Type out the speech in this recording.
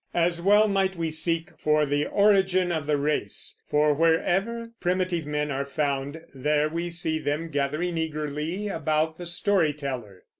As well might we seek for the origin of the race; for wherever primitive men are found, there we see them gathering eagerly about the story teller.